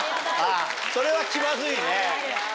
それは気まずいね。